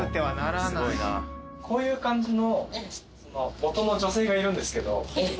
こういう感じの。